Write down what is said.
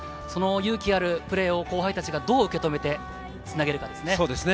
その勇気あるプレーを後輩たちがどう受け止めてつなげるかですね。